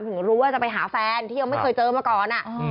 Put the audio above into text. ถึงรู้ว่าจะไปหาแฟนที่ยังไม่เคยเจอมาก่อน